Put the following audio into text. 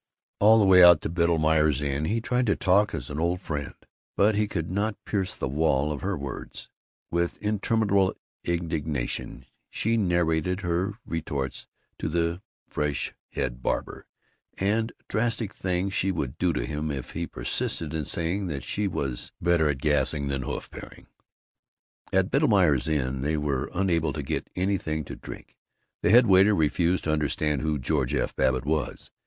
All the way out to Biddlemeier's Inn he tried to talk as an old friend, but he could not pierce the wall of her words. With interminable indignation she narrated her retorts to "that fresh head barber" and the drastic things she would do to him if he persisted in saying that she was "better at gassing than at hoof paring." At Biddlemeier's Inn they were unable to get anything to drink. The head waiter refused to understand who George F. Babbitt was.